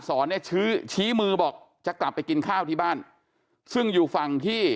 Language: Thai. สอนเนี่ยชี้ชี้มือบอกจะกลับไปกินข้าวที่บ้านซึ่งอยู่ฝั่งที่